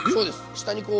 下にこう。